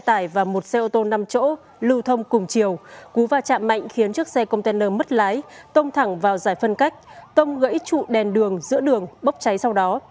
xe tải và một xe ô tô năm chỗ lưu thông cùng chiều cú và chạm mạnh khiến chiếc xe container mất lái tông thẳng vào giải phân cách tông gãy trụ đèn đường giữa đường bốc cháy sau đó